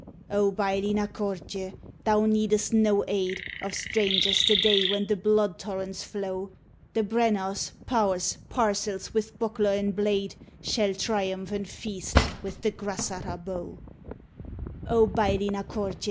O, Baillie Na Cortie! thou needest no aid Of strangers the day when the blood torrents flow; The Brennaghs, Powrs, Parcels with buckler and blade, Shall triumph and feast with the Grasach Abo. O, Baillie Na Cortie!